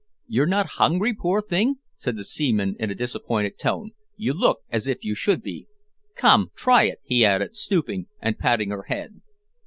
"You're not hungry, poor thing," said the seaman, in a disappointed tone; "you look as if you should be. Come, try it," he added, stooping, and patting her head.